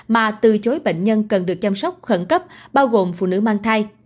mà từ chối bệnh nhân cần được chăm sóc khẩn cấp bao gồm phụ nữ mang thai